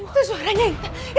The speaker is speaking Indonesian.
itu suaranya intan